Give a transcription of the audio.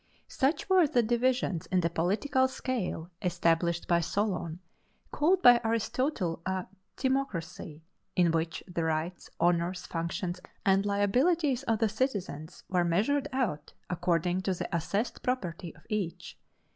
Such were the divisions in the political scale established by Solon, called by Aristotle a timocracy, in which the rights, honors, functions, and liabilities of the citizens were measured out according to the assessed property of each.